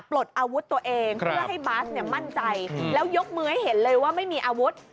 ปลดอาวุธตัวเองเพื่อให้บาสเนี่ยมั่นใจแล้วยกมือให้เห็นเลยว่าไม่มีอาวุธ